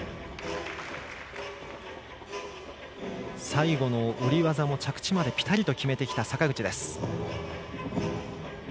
最後の下り技も着地までぴたりと決めてきた坂口です。